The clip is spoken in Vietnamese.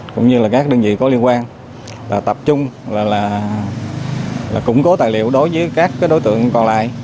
cũng như là các đơn vị có liên quan tập trung là củng cố tài liệu đối với các đối tượng còn lại